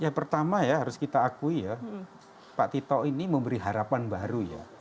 ya pertama ya harus kita akui ya pak tito ini memberi harapan baru ya